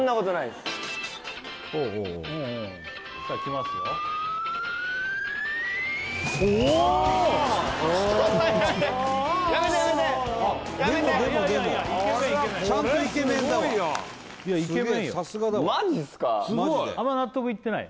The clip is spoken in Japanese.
すごいあんま納得いってない？